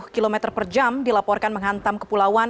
dua ratus sembilan puluh km per jam dilaporkan menghantam ke pulauan